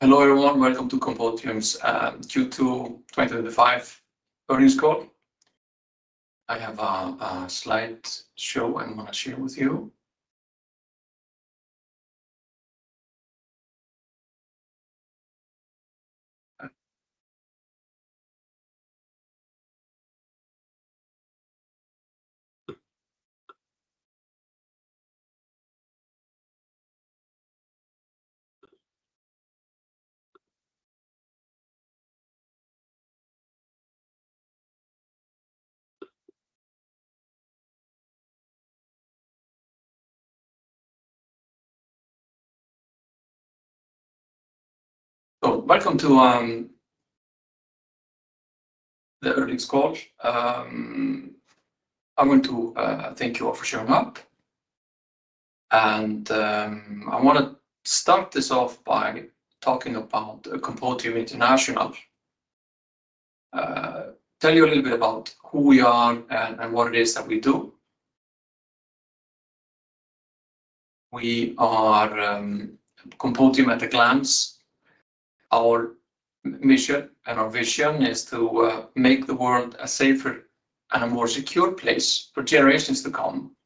Hello everyone, welcome to Compodium's Q2 2025 Earnings Call. I have a slide show I want to share with you. I want to thank you all for showing up. I want to start this off by talking about Compodium International. Tell you a little bit about who we are and what it is that we do. We are Compodium at a glance. Our mission and our vision is to make the world a safer and a more secure place for generations to come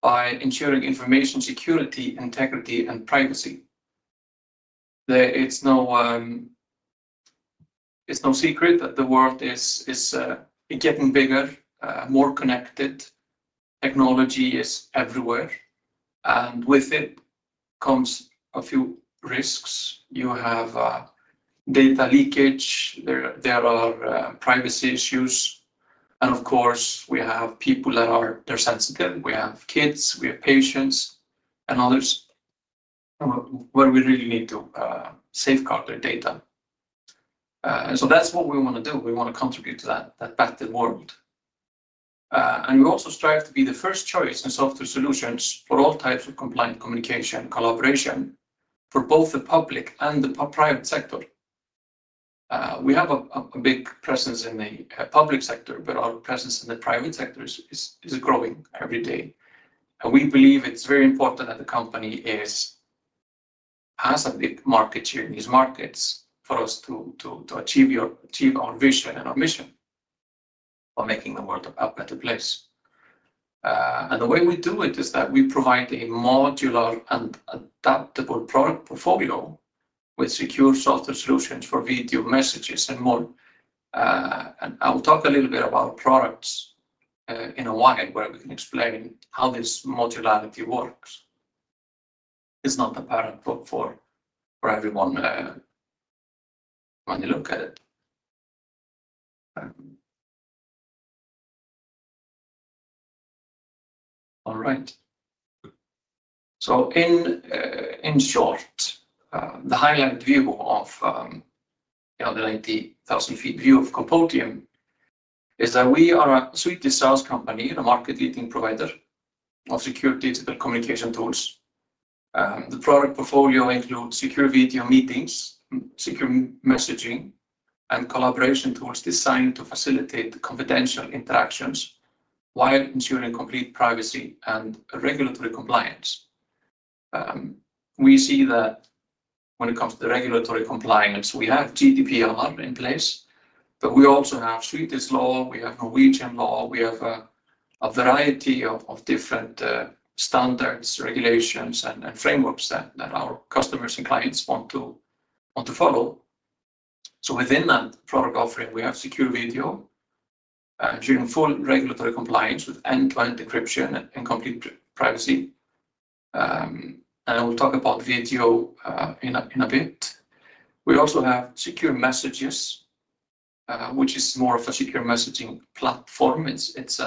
by ensuring information security, integrity, and privacy. It's no secret that the world is getting bigger, more connected. Technology is everywhere. With it comes a few risks. You have data leakage, there are privacy issues, and of course we have people that are sensitive. We have kids, we have patients, and others where we really need to safeguard their data. That's what we want to do. We want to contribute to that better world. We also strive to be the first choice in software solutions for all types of compliance, communication, and collaboration for both the public and the private sector. We have a big presence in the public sector, but our presence in the private sector is growing every day. We believe it's very important that the company has a deep market share in these markets for us to achieve our vision and our mission of making the world a better place. The way we do it is that we provide a modular and adaptable product portfolio with secure software solutions for video messages and more. I'll talk a little bit about products in a while where we can explain how this modularity works. It's not the pattern for everyone. Let me look at it. In short, the highland view of the 90,000 ft view of Compodium is that we are a suite SaaS company, the market leading provider of secure digital communication tools. The product portfolio includes secure video meetings, secure messaging, and collaboration tools designed to facilitate confidential interactions while ensuring complete privacy and regulatory compliance. We see that when it comes to the regulatory compliance, we have GDPR in place, but we also have Swedish law, we have Norwegian law, we have a variety of different standards, regulations, and frameworks that our customers and clients want to follow. Within that product offering, we have secure video and ensuring full regulatory compliance with end-to-end encryption and complete privacy. I will talk about video in a bit. We also have secure messages, which is more of a secure messaging platform. It's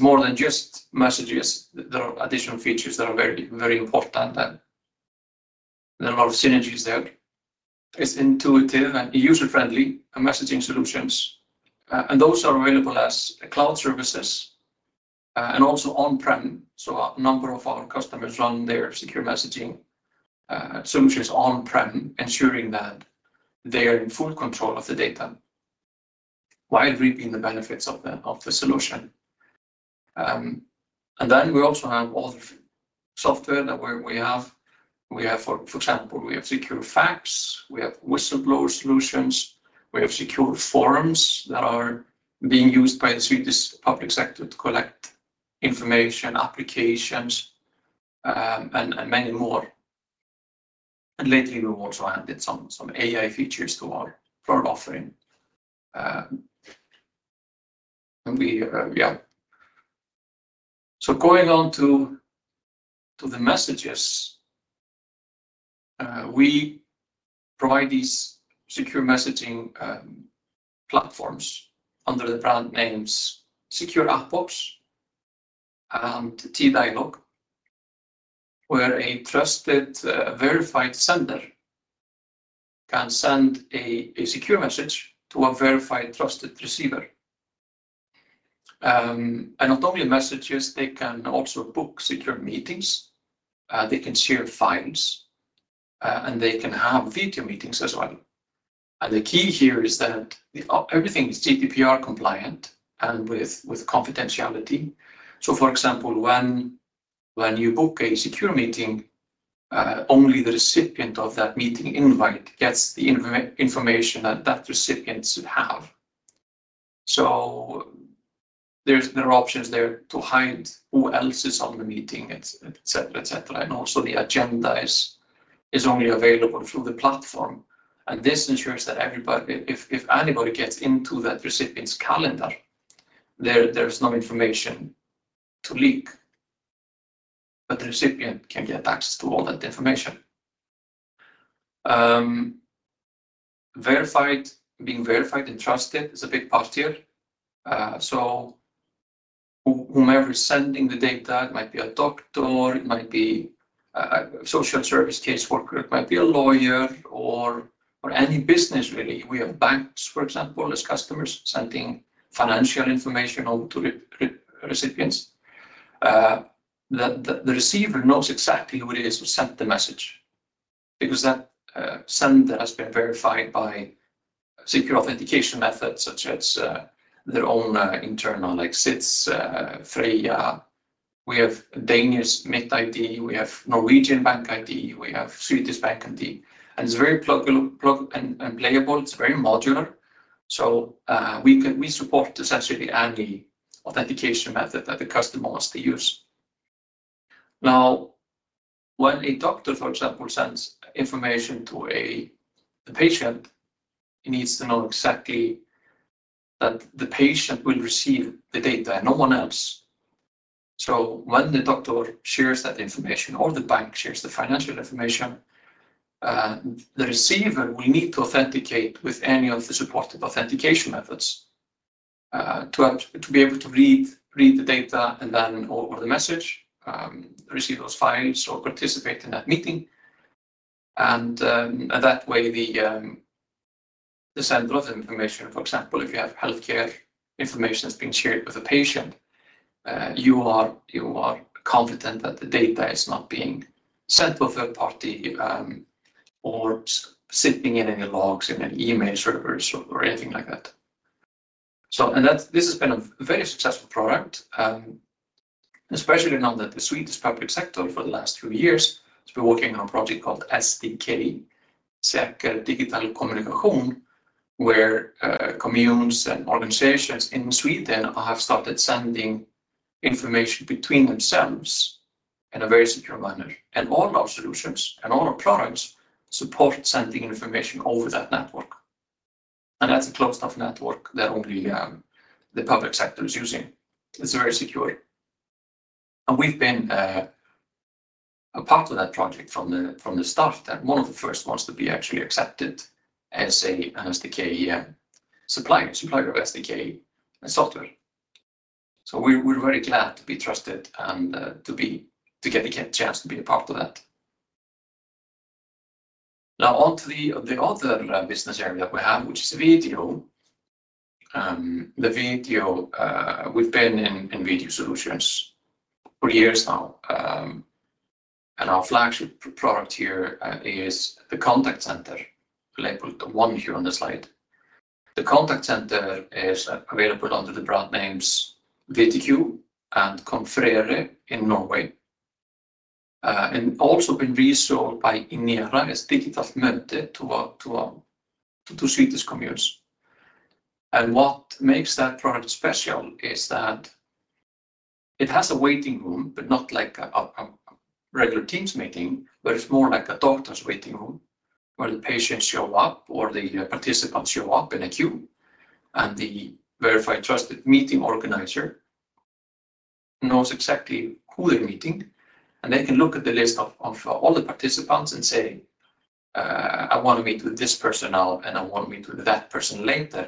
more than just messages. There are additional features that are very important, and there are synergies there. It's intuitive and user-friendly, and messaging solutions. Those are available as cloud services and also on-prem. A number of our customers run their secure messaging solutions on-prem, ensuring that they are in full control of the data while reaping the benefits of the solution. We also have all the software that we have. For example, we have secure fax, we have whistleblower solutions, we have secure forms that are being used by the Swedish public sector to collect information, applications, and many more. Lately, we've also added some AI-powered features to our product offering. Going on to the messages, we provide these secure messaging platforms under the brand names SecureAppBox and TDialog, where a trusted, verified sender can send a secure message to a verified and trusted receiver. Not only messages, they can also book secure meetings, they can share files, and they can have video meetings as well. The key here is that everything is GDPR compliant and with confidentiality. For example, when you book a secure meeting, only the recipient of that meeting invite gets the information that that recipient should have. There are options there to hide who else is on the meeting, etc., etc. Also, the agenda is only available through the platform. This ensures that if anybody gets into that recipient's calendar, there is no information to leak, but the recipient can get access to all that information. Verified, being verified and trusted is a big posture. Whomever is sending the data, it might be a doctor, it might be a social service case worker, it might be a lawyer, or any business really. We have banks, for example, as customers sending financial information over to the recipients. The receiver knows exactly who it is who sent the message because that sender has been verified by secure authentication methods such as their own internal access. We have Danish MitID, we have Norwegian BankID, we have Swedish BankID. It's very global and pluggable. It's very modular. We support essentially any authentication method that the customer wants to use. Now, when a doctor, for example, sends information to a patient, he needs to know exactly that the patient will receive the data and no one else. When the doctor shares that information or the bank shares the financial information, the receiver will need to authenticate with any of the supported authentication methods to be able to read the data or the message, receive those files, or participate in that meeting. That way, the sender of the information, for example, if you have healthcare information that's being shared with the patient, you are confident that the data is not being sent to a third party or sitting in any logs in an email server or anything like that. This has been a very successful product, especially now that the Swedish public sector for the last few years is working on a project called SDK, Säkert Digital Kommunikation, where communes and organizations in Sweden have started sending information between themselves in a very secure manner. All our solutions and all our products support sending information over that network. That's a closed-off network that only the public sector is using. It's very secure. We've been a part of that project from the start and one of the first ones to be actually accepted as an SDK supplier, supplier of SDK software. We're very glad to be trusted and to get the chance to be a part of that. Now onto the other business area that we have, which is video. We've been in video solutions for years now. Our flagship product here is the contact center, labeled the one here on the slide. The contact center is available under the brand names VTQ and Confrere in Norway and also been resold by Inera as tickets of merit to our Swedish communes. What makes that product special is that it has a waiting room, but not like a regular Teams meeting. It's more like a doctor's waiting room where the patients show up or the participants show up in a queue. The verified trusted meeting organizer knows exactly who they're meeting, and they can look at the list of all the participants and say, "I want to meet with this person now, and I want to meet with that person later."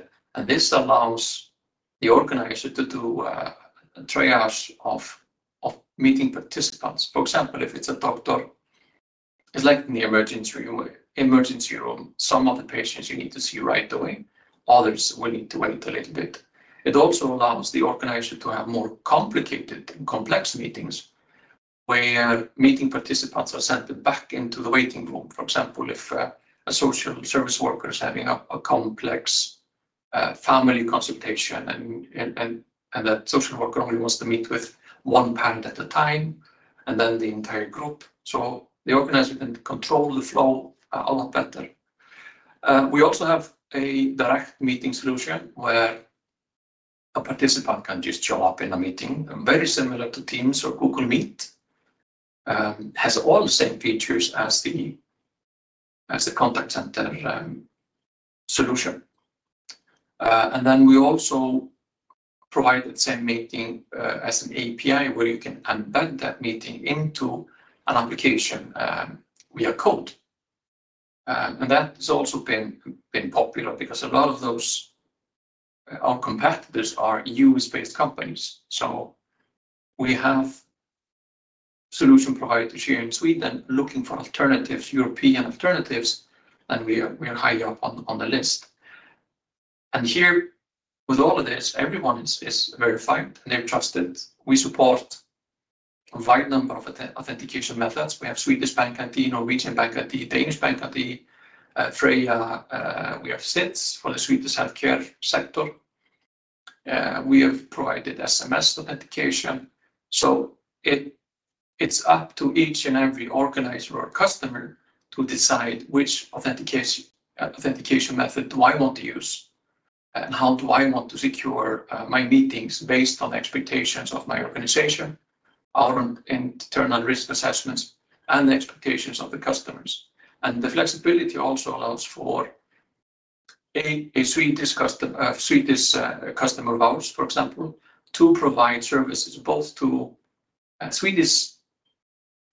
This allows the organizer to do a triage of meeting participants. For example, if it's a doctor, it's like in the emergency room. Some of the patients you need to see right away. Others will need to wait a little bit. It also allows the organizer to have more complicated and complex meetings where meeting participants are sent back into the waiting room. For example, if a social service worker is having a complex family consultation and that social worker only wants to meet with one parent at a time and then the entire group, the organizer can control the flow a lot better. We also have a direct meeting solution where a participant can just show up in a meeting, very similar to Teams or Google Meet. It has all the same features as the contact center solution. We also provide that same meeting as an API where you can embed that meeting into an application via code. That has also been popular because a lot of our competitors are U.S.-based companies. We have solution providers here in Sweden looking for European alternatives, and we are high up on the list. With all of this, everyone is verified and they're trusted. We support a wide number of authentication methods. We have Swedish BankID, Norwegian BankID, Danish MitID, Freja. We have SITHS for the Swedish healthcare sector. We have provided SMS authentication. It is up to each and every organizer or customer to decide which authentication method do I want to use and how do I want to secure my meetings based on the expectations of my organization, our internal risk assessments, and the expectations of the customers. The flexibility also allows for, a Swedish customer of ours, for example, to provide services both to Swedish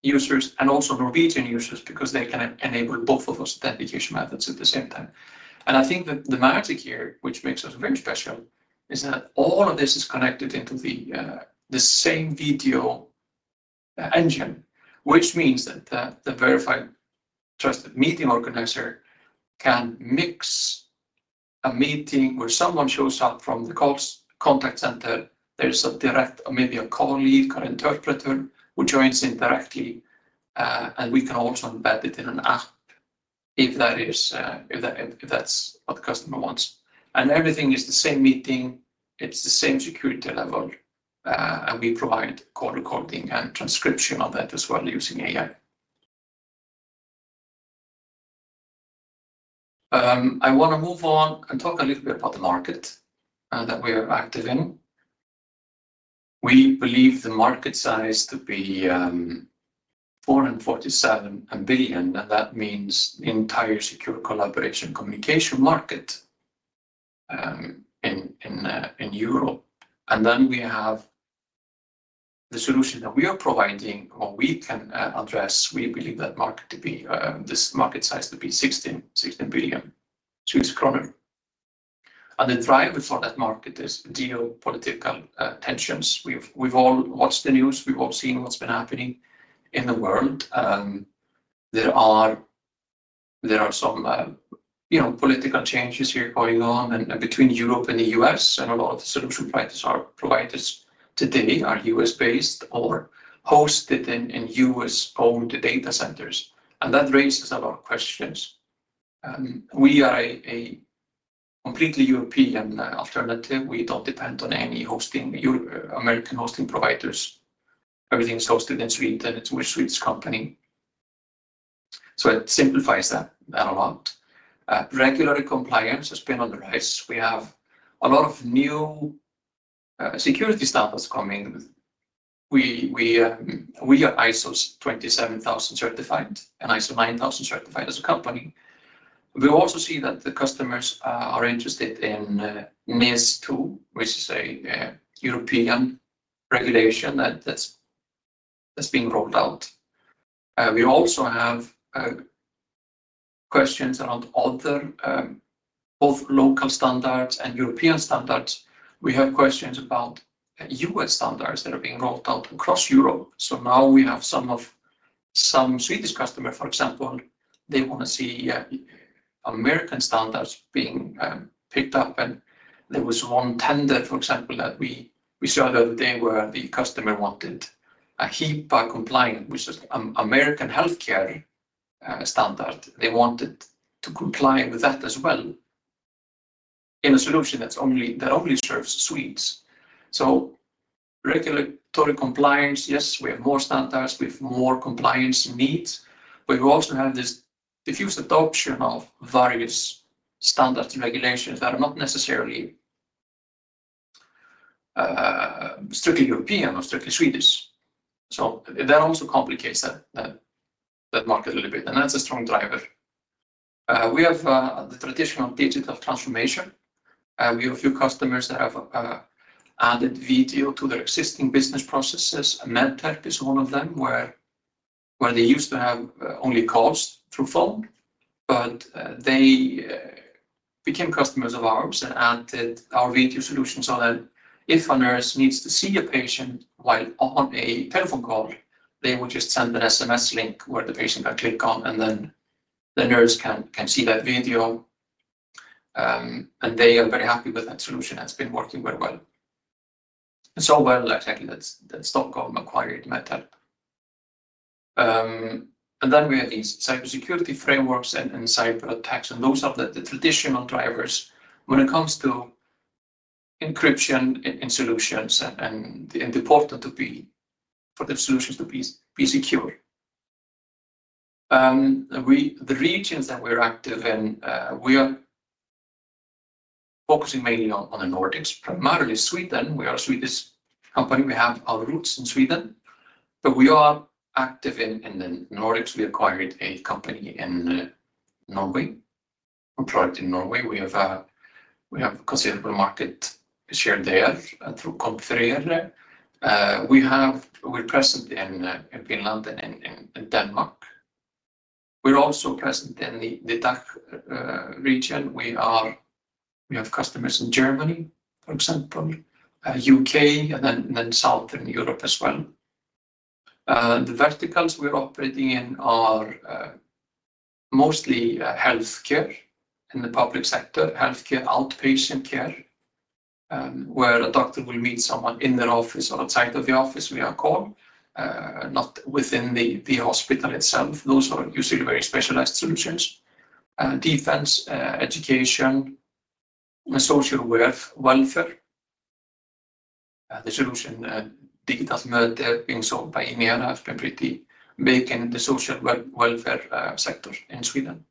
users and also Norwegian users because they can enable both of those authentication methods at the same time. I think that the magic here, which makes us very special, is that all of this is connected into the same video engine, which means that the verified trusted meeting organizer can mix a meeting where someone shows up from the contact center. There is a direct or maybe a colleague or interpreter who joins in directly. We can also embed it in an app if that's what the customer wants. Everything is the same meeting. It's the same security level. We provide code recording and transcription of that as well using AI. I want to move on and talk a little bit about the market that we are active in. We believe the market size to be 447 billion. That means the entire secure collaboration communication market in Europe. The solution that we are providing or we can address, we believe that market to be, this market size to be 16 billion kronor. The driver for that market is geopolitical tensions. We've all watched the news. We've all seen what's been happening in the world. There are some political changes here going on between Europe and the U.S. A lot of the solution providers today are U.S.-based or hosted in U.S.-owned data centers, and that raises a lot of questions. We are a completely European alternative. We don't depend on any hosting American providers. Everything is hosted in Sweden. It's with a Swedish company, so it simplifies that a lot. Regulatory compliance has been on the rise. We have a lot of new security standards coming. We are ISO 27001 certified and ISO 9000 certified as a company. We also see that the customers are interested in NIS2, which is a European regulation that's being rolled out. We also have questions around other both local standards and European standards. We have questions about U.S. standards that are being rolled out across Europe. Now we have some Swedish customers, for example, they want to see American standards being picked up. There was one tender, for example, that we saw the other day where the customer wanted HIPAA compliance, which is an American healthcare standard. They wanted to comply with that as well in a solution that only serves Swedes. Regulatory compliance, yes, we have more standards. We have more compliance needs. We also have this diffuse adoption of various standards and regulations that are not necessarily strictly European or strictly Swedish. That also complicates that market a little bit. That's a strong driver. We have the traditional digital transformation. We have a few customers that have added video to their existing business processes. MedTech is one of them, where they used to have only calls through phone, but they became customers of ours and added our video solutions on it. If a nurse needs to see a patient while on a telephone call, they will just send an SMS link where the patient can click on and then the nurse can see that video. They are very happy with that solution. It's been working very well. I think that Stockholm acquired MedTech. We have these cybersecurity frameworks and cyber attacks, and those are the traditional drivers when it comes to encryption in solutions and the portal for the solutions to be secure. The regions that we're active in, we are focusing mainly on the Nordics, primarily Sweden. We are a Swedish company. We have our roots in Sweden, but we are active in the Nordics. We acquired a company in Norway, a product in Norway. We have a considerable market share there through Confrere. We're present in Finland and in Denmark. We're also present in the DACH region. We have customers in Germany, for example, and the U.K., and then South and Europe as well. The verticals we're operating in are mostly healthcare in the public sector, healthcare, outpatient care, where a doctor will meet someone in their office or outside of the office via a call, not within the hospital itself. Those are usually very specialized solutions. Defense, education, and social welfare. The solution Digital Mölde being sold by Inera has been pretty big in the social welfare sector in Sweden.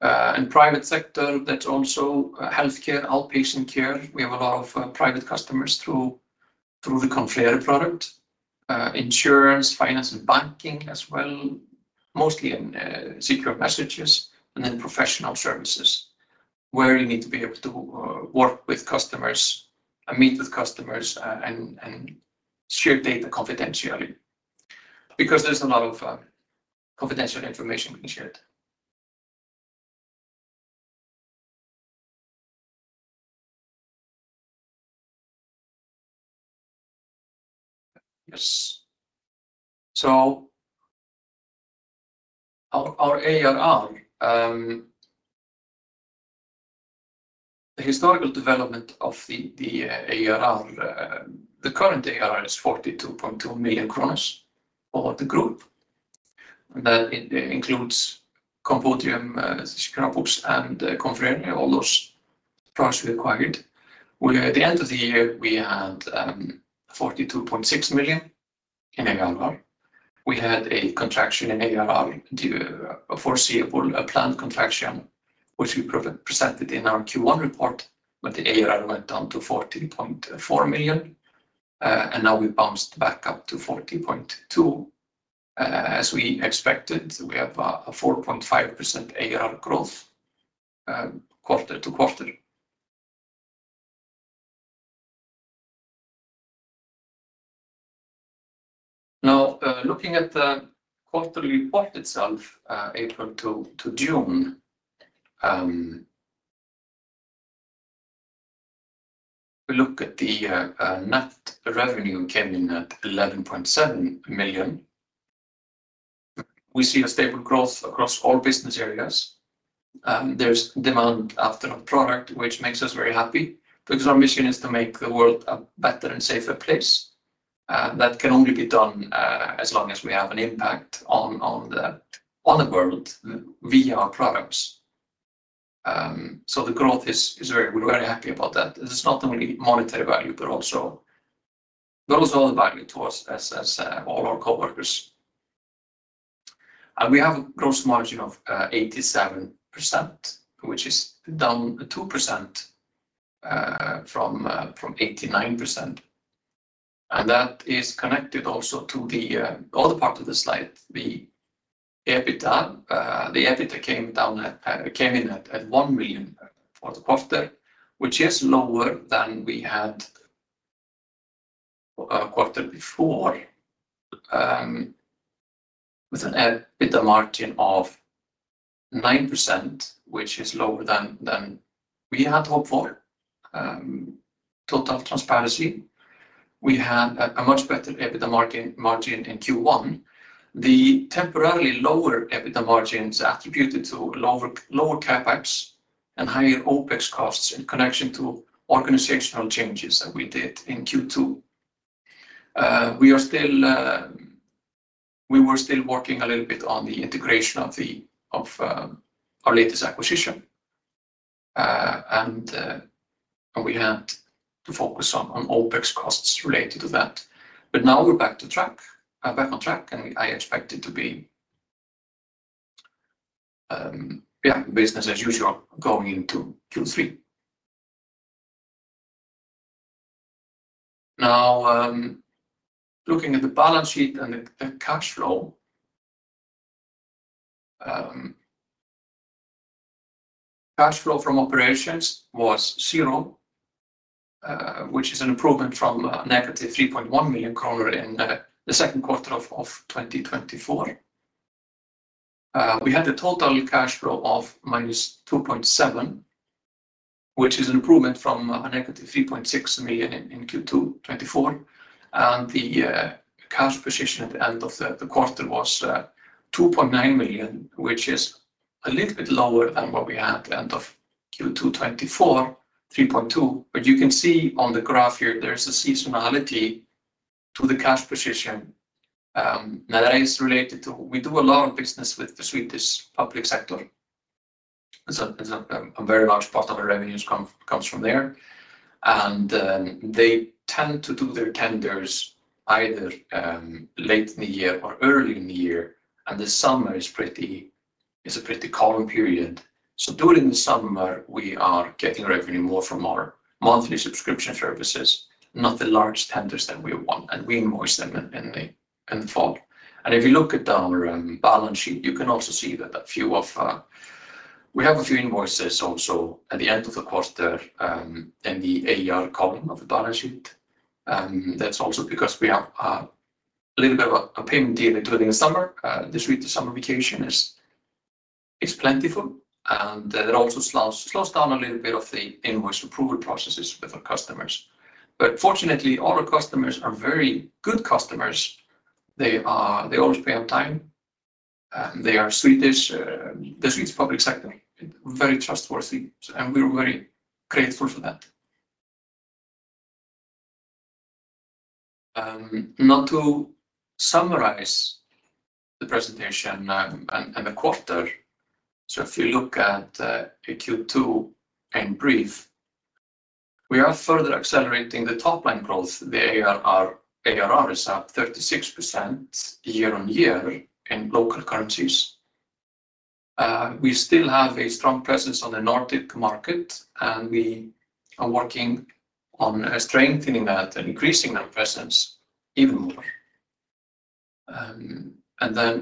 Private sector, that's also healthcare, outpatient care. We have a lot of private customers through the Confrere product, insurance, finance, and banking as well, mostly in secure messages, and then professional services, where you need to be able to work with customers and meet with customers and share data confidentially because there's a lot of confidential information shared. Our ARR, the historical development of the ARR, the current ARR is 42.2 million kronor for the group. That includes Compodium, SecureAppBox, and Confrere, all those products we acquired. At the end of the year, we had 42.6 million in ARR. We had a contraction in ARR, a foreseeable planned contraction, which we presented in our Q1 report, but the ARR went down to 40.4 million. Now we bounced back up to 40.2 million as we expected. We have a 4.5% ARR growth quarter to quarter. Now, looking at the quarterly report itself, April to June, we look at the net revenue came in at 11.7 million. We see a stable growth across all business areas. There's demand after our product, which makes us very happy because our mission is to make the world a better and safer place. That can only be done as long as we have an impact on the world via our products. The growth is very, we're very happy about that. It's not only monetary value, but also not as a value to us as all our coworkers. We have a gross margin of 87%, which is down 2% from 89%. That is connected also to the other part of the slide, the EBITDA. The EBITDA came down, came in at 1 million for the quarter, which is lower than we had a quarter before, with an EBITDA margin of 9%, which is lower than we had hoped for. Talked of transparency. We had a much better EBITDA margin in Q1. The temporarily lower EBITDA margins are attributed to lower CapEx and higher OpEx costs in connection to organizational changes that we did in Q2. We were still working a little bit on the integration of our latest acquisition, and we had to focus on OpEx costs related to that. Now we're back on track, and I expect it to be, yeah, business as usual going into Q3. Now, looking at the balance sheet and the cash flow, cash flow from operations was zero, which is an improvement from a -3.1 million kronor in the second quarter of 2024. We had a total cash flow of -2.7 million, which is an improvement from a -3.6 million in Q2 2024. The cash position at the end of the quarter was 2.9 million, which is a little bit lower than what we had at the end of Q2 2024, 3.2 million. You can see on the graph here, there's a seasonality to the cash position. That is related to, we do a lot of business with the Swedish public sector. A very large part of our revenues comes from there. They tend to do their tenders either late in the year or early in the year. The summer is a pretty common period. During the summer, we are getting revenue more from our monthly subscription services, not the large tenders that we want. We invoice them in the fall. If you look at our balance sheet, you can also see that we have a few invoices also at the end of the quarter in the AR column of the balance sheet. That's also because we have a little bit of a payment delay during the summer. The Swedish summer vacation is plentiful, and that also slows down a little bit of the invoice approval processes with our customers. Fortunately, all our customers are very good customers. They always pay on time. They are Swedish, the Swedish public sector, very trustworthy. We're a very great source of that. Now to summarize the presentation and the quarter, if you look at Q2 in brief, we are further accelerating the top line growth. The ARR is up 36% year on year in local currencies. We still have a strong presence on the Nordic market, and we are working on strengthening that and increasing that presence even more.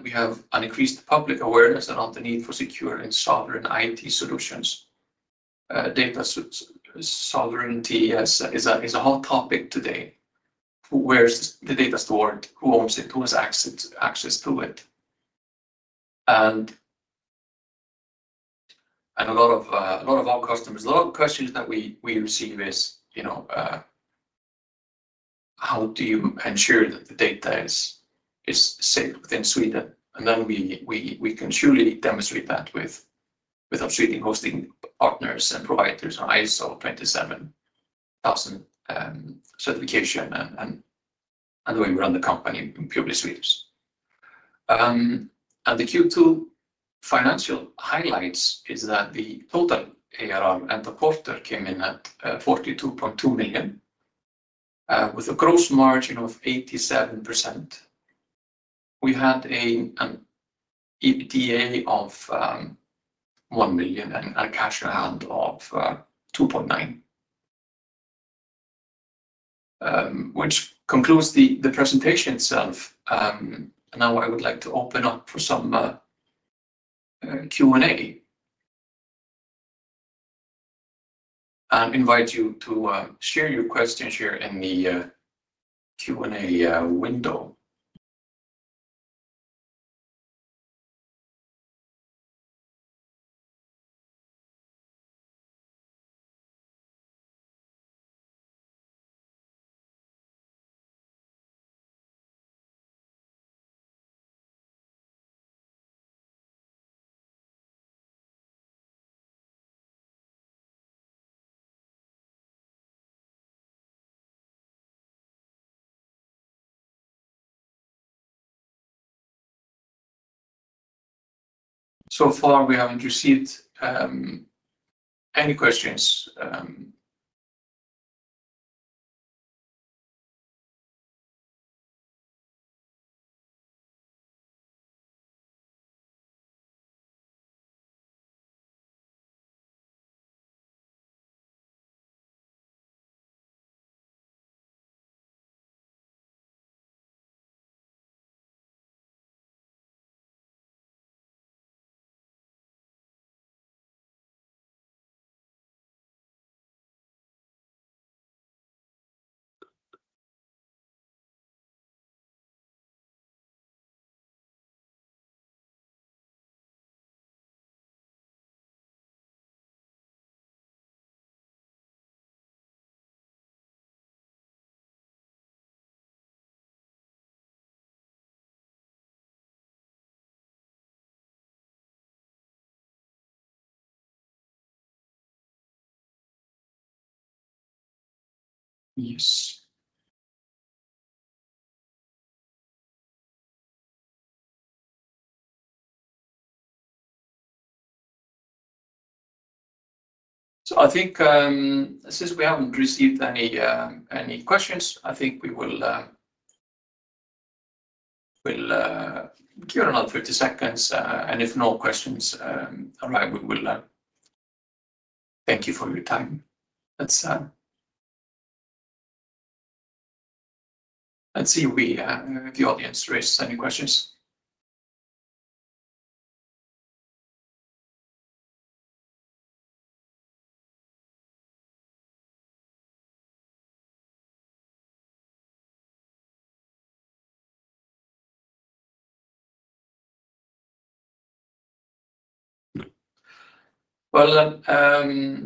We have an increased public awareness around the need for secure and sovereign IT solutions. Data sovereignty is a hot topic today. Where's the data stored? Who owns it? Who has access to it? A lot of our customers, a lot of questions that we receive is, you know, how do you ensure that the data is safe within Sweden? That will be, we can surely demonstrate that with our Swedish hosting partners and providers on ISO 27001 certification and the way we run the company in public Swedish. The Q2 financial highlights is that the total ARR in the quarter came in at 42.2 million with a gross margin of 87%. We had an EBITDA of 1 million and a cash in hand of 2.9 million, which concludes the presentation itself. Now I would like to open up for some Q&A and invite you to share your questions here in the Q&A window. So far, we haven't received any questions. I think since we haven't received any questions, we will give it another 30 seconds. If no questions arise, we will thank you for your time. Let's see if we have the audience raise any questions.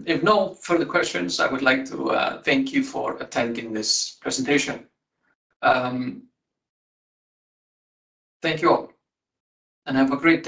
If no further questions, I would like to thank you for attending this presentation. Thank you all, and have a great.